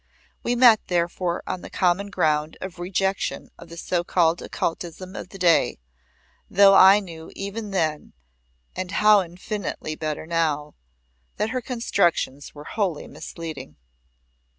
We met therefore on the common ground of rejection of the so called occultism of the day, though I knew even then, and how infinitely better now, that her constructions were wholly misleading.